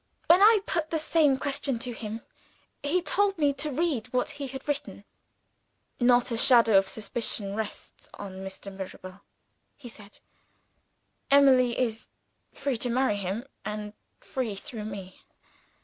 When I put the same question to him, he told me to read what he had written. 'Not a shadow of suspicion rests on Mr. Mirabel,' he said. 'Emily is free to marry him and free through Me.